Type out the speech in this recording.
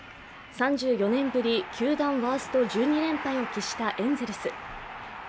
３４年ぶり、球団ワースト１２連敗を喫したエンゼルス。